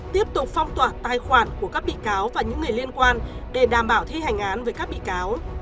tiếp tục phong tỏa tài khoản của các bị cáo và những người liên quan để đảm bảo thi hành án với các bị cáo